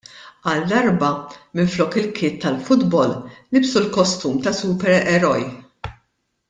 Għal darba minflok il-kit tal-futbol, libsu l-kostum ta' supereroj.